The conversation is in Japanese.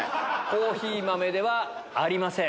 コーヒー豆ではありません。